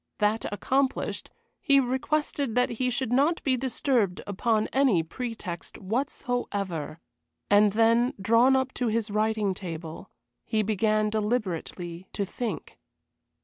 That accomplished, he requested that he should not be disturbed upon any pretext whatsoever. And then, drawn up to his writing table, he began deliberately to think.